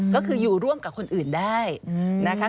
ก็คืออยู่ร่วมกับคนอื่นได้นะคะ